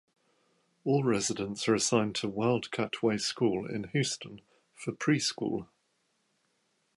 All residents are assigned to Wildcat Way School in Houston for preschool.